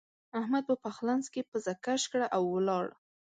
احمد په پخلنځ کې پزه کش کړه او ولاړ.